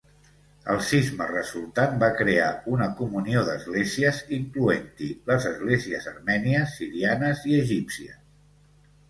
El cisma resultant va crear una comunió d'esglésies, incloent-hi les esglésies armènies, sirianes i egípcies.